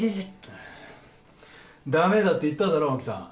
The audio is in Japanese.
はぁだめだって言っただろ青木さん。